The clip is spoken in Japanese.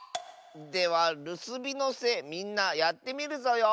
では「るすびのせ」みんなやってみるぞよ。